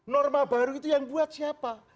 norma baru itu yang buat siapa